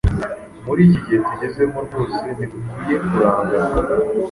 Muri iki gihe tugezemo rwose ntidukwiye kurangara